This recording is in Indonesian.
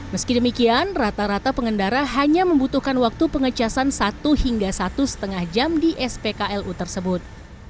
meski demikian rata rata pengendara hanya membutuhkan waktu pengecasan satu hingga satu lima jam di spklu tersebut